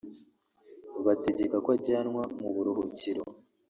bategeka ko ajyanwa mu buruhukiro